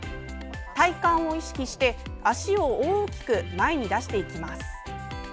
体幹を意識して脚を大きく前に出していきます。